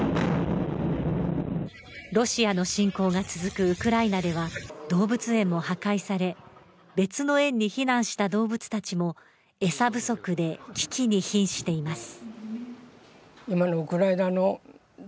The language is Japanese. ロシアの侵攻が続くウクライナでは、動物園も破壊され別の園に避難した動物たちも餌不足で危機に瀕しています。